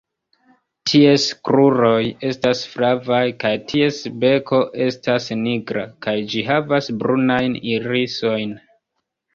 Ties kruroj estas flavaj, kaj ties beko estas nigra, kaj ĝi havas brunajn irisojn.